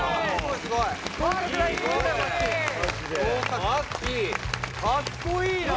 かっこいいな。